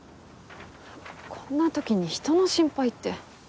こんな時に人の心配って。